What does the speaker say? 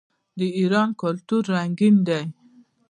د ایران کلتور رنګین دی.